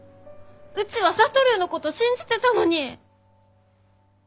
うちは智のこと信じてたのに！